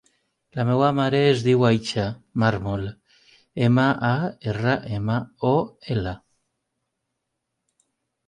La meva mare es diu Aicha Marmol: ema, a, erra, ema, o, ela.